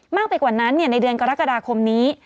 มากไปกว่านั้นในเดือนกรกฎาคมนี้